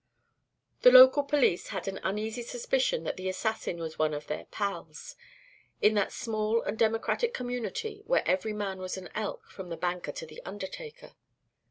The local police had an uneasy suspicion that the assassin was one of their "pals" in that small and democratic community, where every man was an Elk from the banker to the undertaker.